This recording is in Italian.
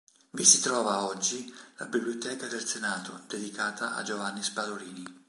Vi si trova, oggi, la Biblioteca del Senato, dedicata a Giovanni Spadolini.